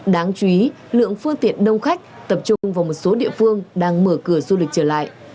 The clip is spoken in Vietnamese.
đáng chú ý lượng phương tiện đông khách tập trung vào một số địa phương đang mở cửa du lịch trở lại